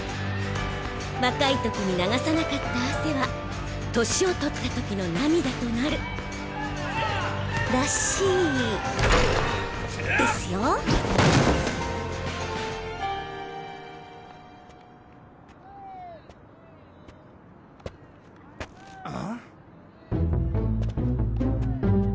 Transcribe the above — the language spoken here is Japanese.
若い時に流さなかった汗は年を取った時の涙となるらしいですよあ？